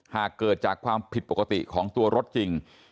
หากเกิดจากความผิดปกติของตัวรถจริง